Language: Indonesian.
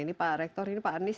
ini pak rektor ini pak anies